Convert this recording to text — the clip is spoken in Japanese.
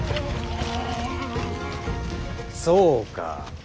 そうか。